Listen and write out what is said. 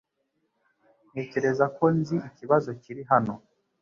Ntekereza ko nzi ikibazo kiri hano